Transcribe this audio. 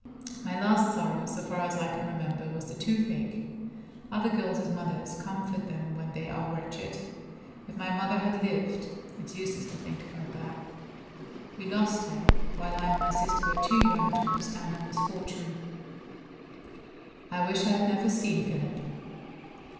My last sorrow, so far as I can remember, was the toothache. Other girls' mothers comfort them when they are wretched. If my mother had lived it's useless to think about that. We lost her, while I and my sister were too young to understand our misfortune. I wish I had never seen Philip.